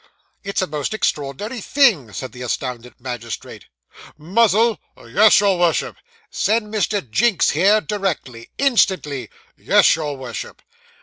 'It's a most extraordinary thing,' said the astounded magistrate. 'Muzzle!' 'Yes, your Worship.' 'Send Mr. Jinks here, directly! Instantly.' 'Yes, your Worship.